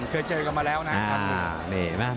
เคยเจอกันมาแล้วนะครับ